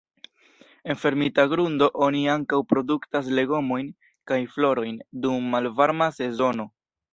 En fermita grundo oni ankaŭ produktas legomojn kaj florojn dum malvarma sezono.